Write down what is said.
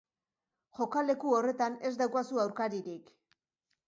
Jokaleku horretan ez daukazu aurkaririk.